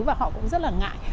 và họ cũng rất là ngại